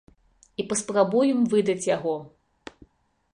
І паспрабуем выдаць яго.